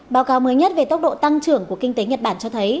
báo cáo mới nhất về tốc độ tăng trưởng của kinh tế nhật bản cho thấy